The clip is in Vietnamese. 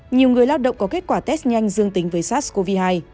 nhiều người lao động có kết quả test nhanh dương tính với sars cov hai